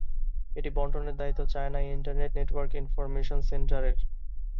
এটি বণ্টনের দায়িত্ব চায়না ইন্টারনেট নেটওয়ার্ক ইনফরমেশন সেন্টারের।